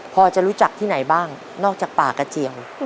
พอจะรู้จักที่ไหนบ้างนอกจากป่ากระเจียว